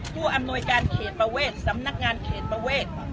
ผู้อำนวยการเขตประเวทสำนักงานเขตประเวท